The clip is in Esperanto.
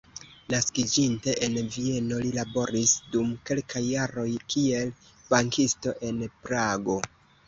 Naskiĝinte en Vieno, li laboris dum kelkaj jaroj kiel bankisto en Prago.